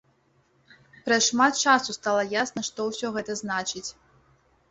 Праз шмат часу стала ясна, што ўсё гэта значыць.